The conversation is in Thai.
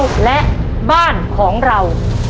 ต่อไปอีกหนึ่งข้อเดี๋ยวเราไปฟังเฉลยพร้อมกันนะครับคุณผู้ชม